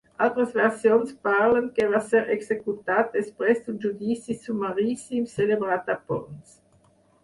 Altres versions parlen que va ser executat després d'un judici sumaríssim celebrat a Ponts.